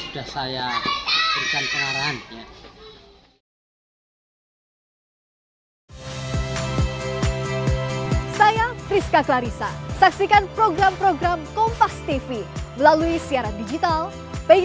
sudah saya berikan pengarahan